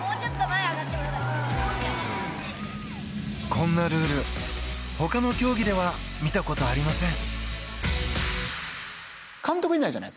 こんなルール他の競技では見たことがありません。